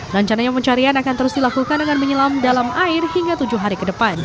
rencananya pencarian akan terus dilakukan dengan menyelam dalam air hingga tujuh hari ke depan